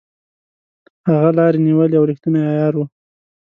هغه لاري نیولې او ریښتونی عیار وو.